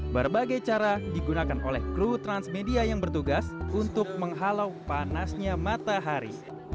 berbagai cara digunakan oleh kru transmedia yang bertugas untuk menghalau panasnya matahari